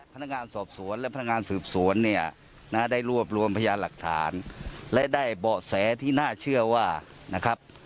พนักงานสอบสวนและพนักงานสืบสวนเนี่ยนะได้รวบรวมพยานหลักฐานและได้เบาะแสที่น่าเชื่อว่านะครับ